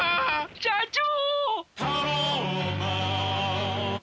社長！